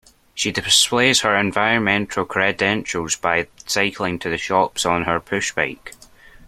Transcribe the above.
She displays her environmental credentials by cycling to the shops on her pushbike